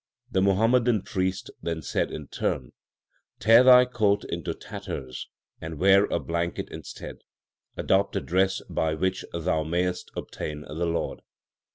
The Muhammadan priest then said in turn : Tear thy coat into tatters and wear a blanket instead ; Adopt a dress by which thou mayest obtain the Lord.